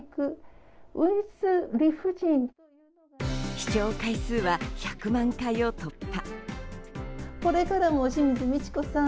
視聴回数は１００万回を突破。